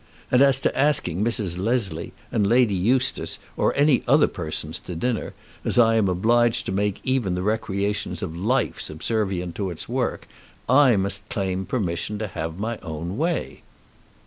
And as to asking Mrs. Leslie and Lady Eustace or any other persons to dinner, as I am obliged to make even the recreations of life subservient to its work, I must claim permission to have my own way."